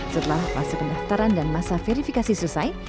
setelah fase pendaftaran dan masa verifikasi selesai